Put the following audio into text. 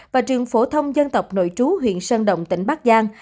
và trường phổ thông dân tộc nội trú huyện sơn động tỉnh bắc giang